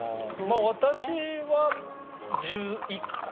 私は１１個。